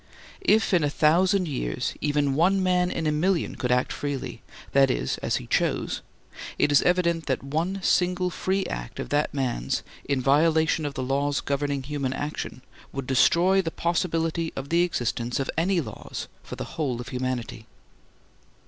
If in a thousand years even one man in a million could act freely, that is, as he chose, it is evident that one single free act of that man's in violation of the laws governing human action would destroy the possibility of the existence of any laws for the whole of humanity.